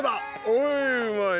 おいうまい！